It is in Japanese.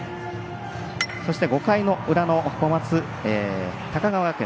そして５回の裏の高川学園。